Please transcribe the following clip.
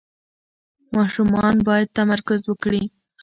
ماشومان باید تمرکز وکړي.